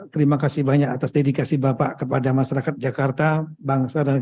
terima kasih banyak atas dedikasi bapak kepada masyarakat jakarta bangsa dan negara